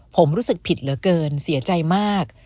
ผมรู้สึกผิดเหลือเกินเสียใจมาก